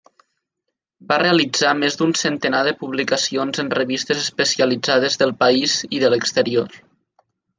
Va realitzar més d'un centenar de publicacions en revistes especialitzades del país i de l'exterior.